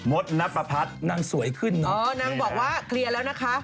มดนับประพัดนางสวยขึ้นเนอะแบบนี้แหละครับอ๋อนางบอกว่าเคลียร์แล้วนะคะ